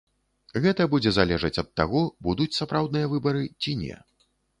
Гэта будзе залежаць ад таго, будуць сапраўдныя выбары ці не.